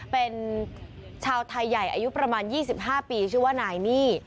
เป็นชาวไทยใหญ่อายุประมาณ๒๕ปีชื่อว่านายนี่